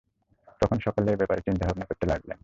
তখন সকলে এ ব্যাপারে চিন্তা-ভাবনা করতে লাগলেন।